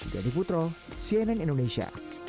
dedy putro cnn indonesia